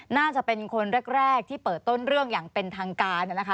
น่าจะเป็นคนแรกที่เปิดต้นเรื่องอย่างเป็นทางการนะคะ